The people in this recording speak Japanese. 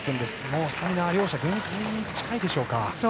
もうスタミナは両者限界に近いでしょうか。